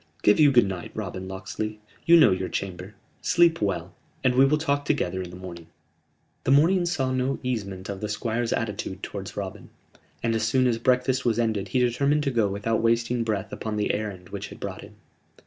"Give you good night, Robin Locksley you know your chamber. Sleep well and we will talk together in the morning." The morning saw no easement of the Squire's attitude towards Robin; and as soon as breakfast was ended he determined to go without wasting breath upon the errand which had brought him.